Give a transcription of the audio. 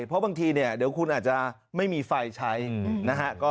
เพราะบางทีเนี่ยเดี๋ยวคุณอาจจะไม่มีไฟใช้นะฮะ